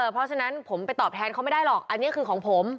เพราะฉะนั้นผมไปตอบแทนเขาไม่ได้หรอกอันนี้คือของผม